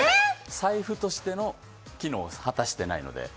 財布としての機能を果たしていないので。